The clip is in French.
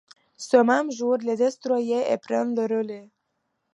Ce même jour, les destroyers et prennent le relai..